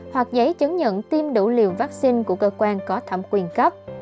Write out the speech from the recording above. hoặc giấy chứng nhận tiêm đủ liều vaccine của cơ quan có thẩm quyền cấp